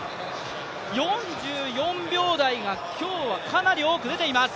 ４４秒台が今日はかなり多く出ています。